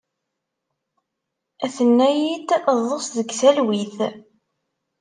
Tenna-iyi-d ḍḍes deg talwit.